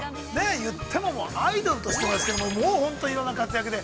言っても、アイドルとしてもですけど、もう本当に、いろんな活躍で、